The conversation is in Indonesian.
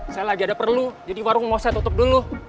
saya lagi ada perlu jadi warung mau saya tutup dulu